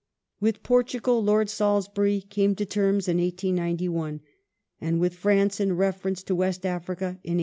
With Portugal Lord Salisbury came to terms in 1891, and with France, in reference to West Africa, in 1898.